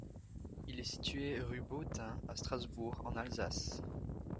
Il est situé rue Bautain, à Strasbourg, en Alsace.